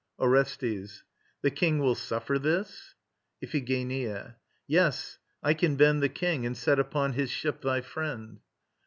ORESTES. The King will suffer this? IPHIGENIA. Yes: I can bend The King, and set upon his ship thy friend.